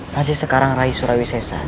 masih sekarang rai surawisesa